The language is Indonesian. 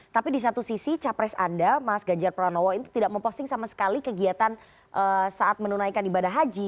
tapi di satu sisi capres anda mas ganjar pranowo itu tidak memposting sama sekali kegiatan saat menunaikan ibadah haji